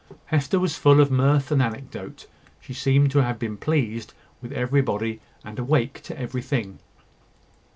Hester was full of mirth and anecdote. She seemed to have been pleased with everybody and awake to everything.